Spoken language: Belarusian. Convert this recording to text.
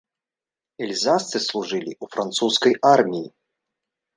Эльзасцы служылі ў французскай арміі.